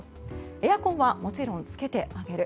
エアコンはもちろんつけてあげる。